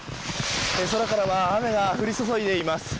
空からは雨が降り注いでいます。